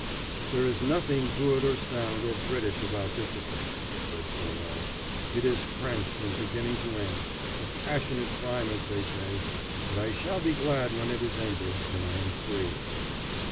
"There is nothing good, or sound, or British about this affair," said Furneaux. "It is French from beginning to end a passionate crime as they say but I shall be glad when it is ended, and I am free."